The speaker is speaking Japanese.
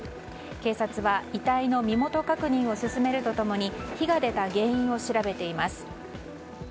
警察は遺体の身元確認を進めると共に火が出た原因を調べています。